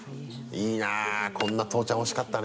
いいなこんな父ちゃん欲しかったね。